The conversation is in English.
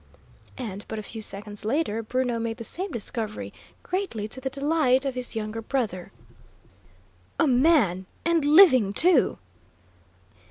And but a few seconds later, Bruno made the same discovery, greatly to the delight of his younger brother. "A man! And living, too!"